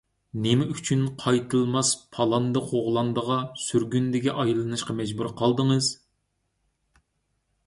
نېمە ئۈچۈن قايتالماس پالاندى - قوغلاندىغا، سۈرگۈندىگە ئايلىنىشقا مەجبۇر قالدىڭىز؟